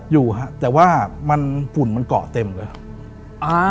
อยู่ครับแต่ว่าฝุ่นมันเกาะเต็มเลย